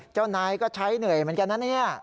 เจ้านายก็ใช้เหนื่อยเหมือนกันนะเนี่ย